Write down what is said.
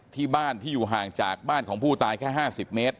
ที่บ้านที่อยู่ห่างจากบ้านของผู้ตายแค่๕๐เมตร